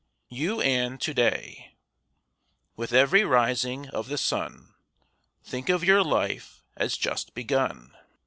YOU AND TO DAY With every rising of the sun Think of your life as just begun.